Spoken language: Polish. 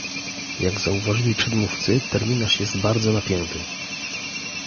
Jak zauważyli przedmówcy, terminarz jest bardzo napięty